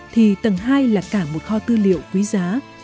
thì tầng hai là cả một kho tư liệu quý giá